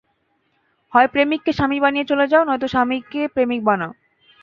হয় প্রেমিককে স্বামী বানিয়ে চলে যাও, নয়ত স্বামীকে প্রেমিক বানাও।